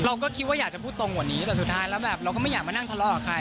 เราก็คิดว่าอยากจะพูดตรงกว่านี้แต่สุดท้ายแล้วแบบเราก็ไม่อยากมานั่งทะเลาะกับใคร